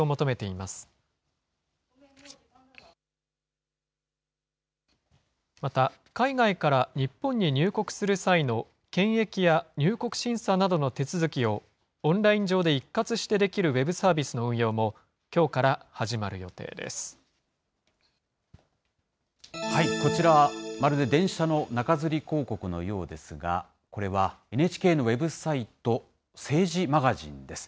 また海外から日本に入国する際の検疫や入国審査などの手続きを、オンライン上で一括してできるウェブサービスの運用もきょうからこちらは、まるで電車の中づり広告のようですが、これはＮＨＫのウェブサイト、政治マガジンです。